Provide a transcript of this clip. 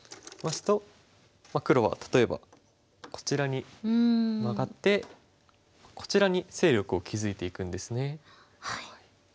黒は例えばこちらにマガってこちらに勢力を築いていくんですね。